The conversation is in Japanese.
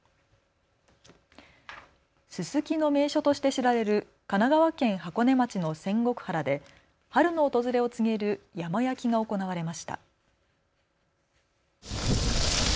すすきの名所として知られる神奈川県箱根町の仙石原で春の訪れを告げる山焼きが行われました。